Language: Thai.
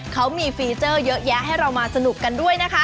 เขามีฟีเจอร์เยอะแยะให้เรามาสนุกกันด้วยนะคะ